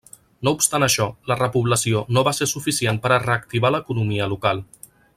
No obstant això, la repoblació no va ser suficient per a reactivar l'economia local.